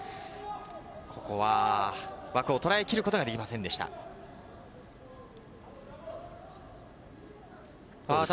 ここは枠をとらえきることができませんでした。